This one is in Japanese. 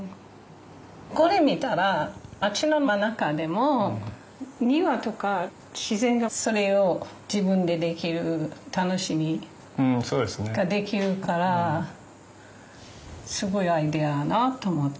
これ見たら街の真ん中でも庭とか自然がそれを自分でできる楽しみができるからすごいアイデアやなと思ったんよね。